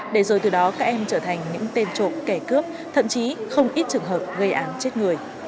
để rồi từ đó các em trở thành những tên trộm kẻ cướp thậm chí không ít trường hợp gây án chết người